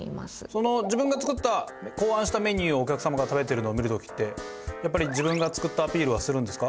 その自分が作った考案したメニューをお客様が食べてるのを見る時ってやっぱり自分が作ったアピールはするんですか？